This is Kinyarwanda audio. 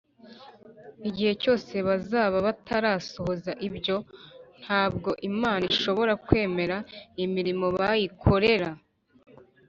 igihe cyose bazaba batarasohoza ibyo, ntabwo imana ishobora kwemera imirimo bayikorera